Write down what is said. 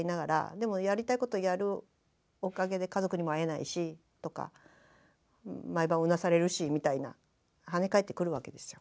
でもやりたいことやるおかげで家族にも会えないしとか毎晩うなされるしみたいな跳ね返ってくるわけですよ。